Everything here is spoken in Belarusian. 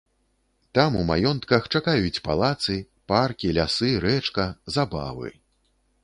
Там у маёнтках чакаюць палацы, паркі, лясы, рэчка, забавы!